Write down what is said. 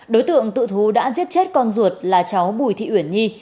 đối tượng tự thú đã giết chết con ruột là cháu bùi thị uyển nhi